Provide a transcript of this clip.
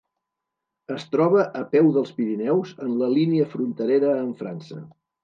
Es troba a peu dels Pirineus, en la línia fronterera amb França.